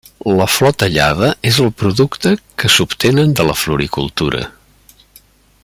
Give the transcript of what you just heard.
La flor tallada és el producte que s'obtenen de la floricultura.